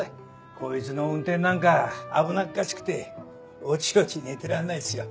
こいつの運転なんか危なっかしくておちおち寝てらんないっすよ。